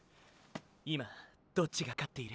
今どっちが勝っている？